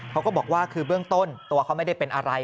เขาก็บอกว่าคือเบื้องต้นตัวเขาไม่ได้เป็นอะไร